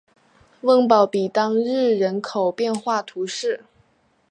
翁堡比当日人口变化图示